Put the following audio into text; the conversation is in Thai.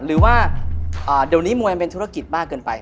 หรือว่าดีลอนี้มวยังเป็นธุรกิจบ้าเกินไป